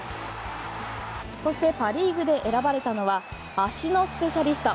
そしてパ・リーグで選ばれたのは足のスペシャリスト